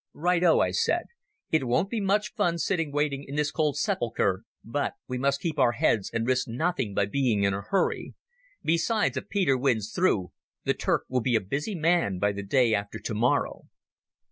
"Right o," I said. "It won't be much fun sitting waiting in this cold sepulchre; but we must keep our heads and risk nothing by being in a hurry. Besides, if Peter wins through, the Turk will be a busy man by the day after tomorrow."